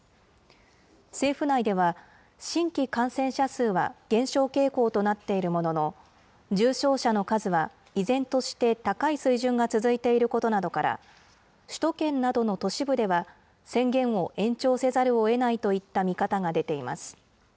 政府内では、新規感染者数は減少傾向となっているものの、重症者の数は依然として高い水準が続いていることなどから、首都圏などの都市部では宣言を延長せざるをえないといった見方が出ています。